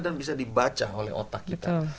dan bisa dibaca oleh otak kita